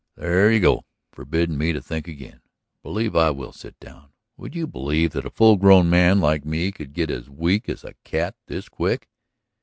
"There you go. Forbidding me to think again! ... Believe I will sit down; would you believe that a full grown man like me could get as weak as a cat this quick?"